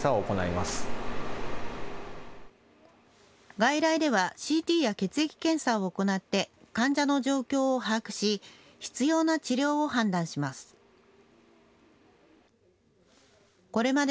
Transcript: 外来ではＣＴや血液検査を行って患者の状況を把握し必要な治療を判断します。